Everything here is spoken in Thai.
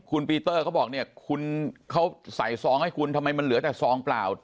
คุณปีเตอร์เขาบอกเนี่ยคุณเขาใส่ซองให้คุณทำไมมันเหลือแต่ซองเปล่า